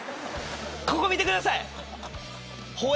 ここ、見てください。